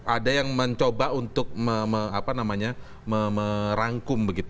ada yang mencoba untuk merangkum